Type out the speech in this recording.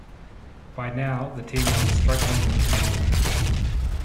By now the team was struggling with injury.